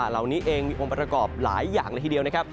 เหล่านี้เองมีองค์ประกอบหลายอย่างในทีเดียว